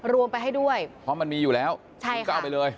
รวมไปให้ด้วยเพราะมันมีอยู่แล้วใช่ก็เอาไปเลย